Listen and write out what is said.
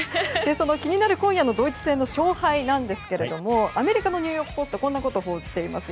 その気になる今夜のドイツ戦の勝敗ですが、アメリカのニューヨーク・ポストはこう報じています。